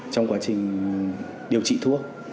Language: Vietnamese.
trong quá trình điều trị thuốc